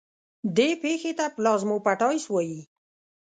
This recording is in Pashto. دې پېښې ته پلازموپټایسس وایي.